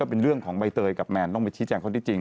เป็นเรื่องที่ใบเตยกับแมนต้องชี้แชงเท่าที่จริง